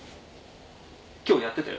今日やってたよ